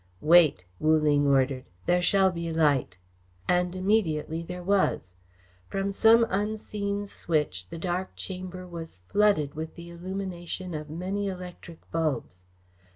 "Wait!" Wu Ling ordered. "There shall be light." And immediately there was. From some unseen switch the dark chamber was flooded with the illumination of many electric bulbs.